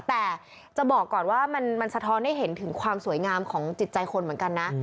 แต่จะบอกก่อนว่ามันสะท้อนให้เห็นถึงความสวยงามของจิตใจคนเหมือนกันนะ